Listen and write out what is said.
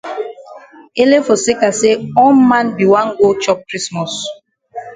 Ele for seka say all man be wan go chop krismos.